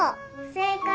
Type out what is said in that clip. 正解。